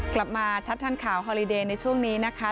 กลับมาชัดทันข่าวฮอลิเดย์ในช่วงนี้นะคะ